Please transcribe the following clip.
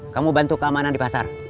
kamu bantu keamanan di pasar